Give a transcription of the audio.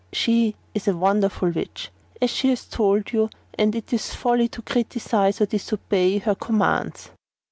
"She is a wonderful witch, as she has told you, and it is folly to criticise her or disobey her commands."